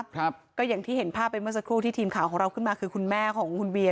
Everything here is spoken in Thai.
ครับก็อย่างที่เห็นภาพไปเมื่อสักครู่ที่ทีมข่าวของเราขึ้นมาคือคุณแม่ของคุณเวีย